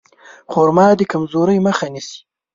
خرما د کمزورۍ مخه نیسي.